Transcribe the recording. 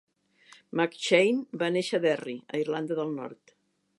McShane va néixer a Derry, Irlanda del Nord.